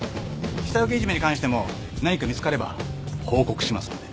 下請けいじめに関しても何か見つかれば報告しますので。